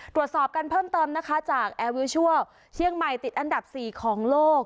ตรวจสอบกันเพิ่มเติมนะคะจากแอร์วิวชัลเชียงใหม่ติดอันดับ๔ของโลก